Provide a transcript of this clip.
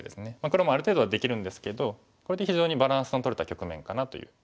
黒もある程度はできるんですけどこれで非常にバランスのとれた局面かなという気はします。